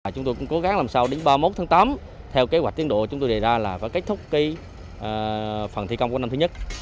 chúng tôi cũng cố gắng làm sao đến ba mươi một tháng tám theo kế hoạch tiến độ chúng tôi đề ra là phải kết thúc phần thi công của năm thứ nhất